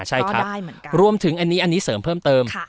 ใช่ครับได้เหมือนกันรวมถึงอันนี้อันนี้เสริมเพิ่มเติมค่ะ